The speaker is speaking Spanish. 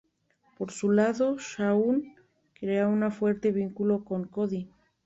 Por su lado Shaun, creará un fuerte vínculo con Cody.